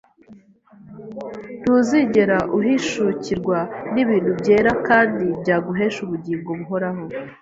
ntuzigera uhishukirwa n’ibintu byera kandi byaguhesha ubugingo buhoraho.